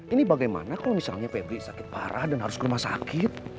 ini bagaimana kalau misalnya febri sakit parah dan harus ke rumah sakit